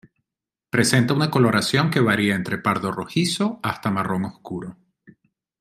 Presenta una coloración que varía entre pardo-rojizo hasta marrón oscuro.